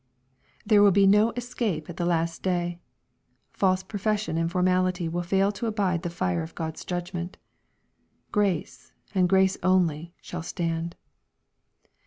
There will be no escape at the last day. False profession and formality will fail to abide the fire of God's judgment. Grace, and grace only, shall stand.